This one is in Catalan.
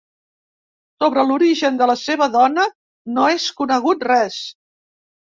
Sobre l'origen de la seva dona no és conegut res.